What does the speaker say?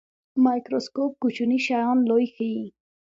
مایکروسکوپ کوچني شیان لوی ښيي